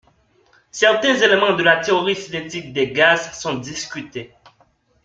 certains éléments de la théorie cinétique des gaz sont discutés